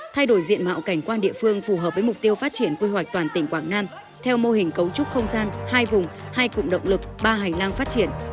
thay đổi diện mạo cảnh quan địa phương phù hợp với mục tiêu phát triển quy hoạch toàn tỉnh quảng nam theo mô hình cấu trúc không gian hai vùng hai cụm động lực ba hành lang phát triển